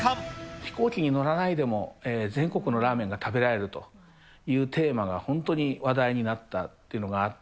飛行機に乗らないでも、全国のラーメンが食べられるというテーマが、本当に話題になったっていうのがあって。